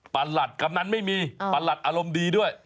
ประหลัดกำนันไม่มีประหลัดอารมณ์ดีด้วย